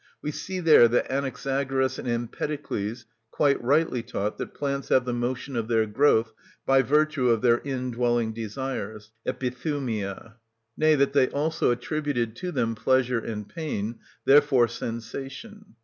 We see there that Anaxagoras and Empedocles quite rightly taught that plants have the motion of their growth by virtue of their indwelling desires (επιθυμια); nay, that they also attributed to them pleasure and pain, therefore sensation.